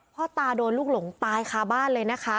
พ่อตาโดนลูกหลงตายคาบ้านเลยนะคะ